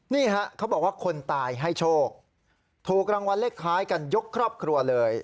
นี่ฮะเขาบอกว่าคนตายให้โชคถูกรางวัลเลขท้ายกันยกครอบครัวเลย